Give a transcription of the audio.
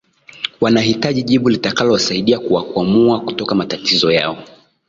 wanahitaji jibu litakalosaidia kuwakwamua kutoka matatizo yao